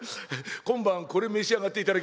今晩これ召し上がっていただきます。